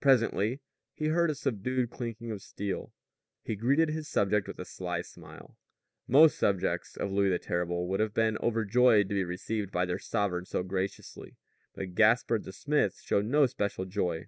Presently he heard a subdued clinking of steel. He greeted his subject with a sly smile. Most subjects of Louis the Terrible would have been overjoyed to be received by their sovereign so graciously. But Gaspard the smith showed no special joy.